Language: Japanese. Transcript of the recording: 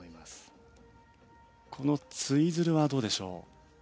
このツイズルはどうでしょう？